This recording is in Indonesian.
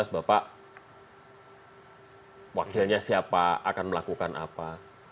dua ribu sembilan belas bapak wakilnya siapa akan melakukan apa